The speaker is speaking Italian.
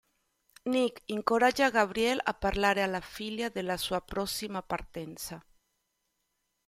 Nick incoraggia Gabriel a parlare alla figlia della sua prossima partenza.